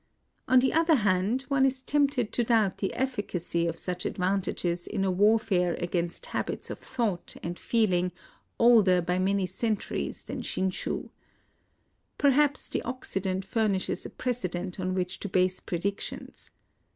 On the other hand, one is tempted to doubt the efficacy of such advantages in a warfare against habits of thought and feeling older by many centuries than Shinshii. Perhaps the Occident fur nishes a precedent on which to base predic tions.